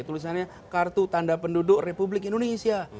tulisannya kartu tanda penduduk republik indonesia